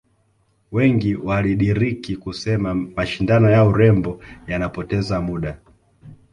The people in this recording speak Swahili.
Wengi walidiriki kusema mashindano ya urembo yanapoteza muda